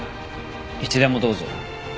いつでもどうぞ。